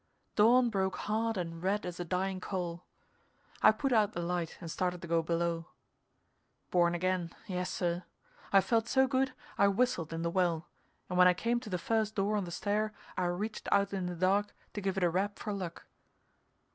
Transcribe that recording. Dawn broke hard and red as a dying coal. I put out the light and started to go below. Born again; yes, sir. I felt so good I whistled in the well, and when I came to the first door on the stair I reached out in the dark to give it a rap for luck.